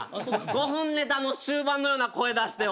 ５分ネタの終盤のような声出して。